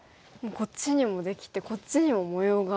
こっちにもできてこっちにも模様が。